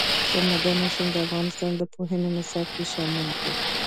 سمندر نه شتون د افغانستان د پوهنې نصاب کې شامل دي.